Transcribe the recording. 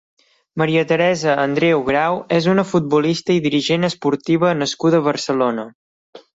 Maria Teresa Andreu Grau és una futbolista i dirigent esportiva nascuda a Barcelona.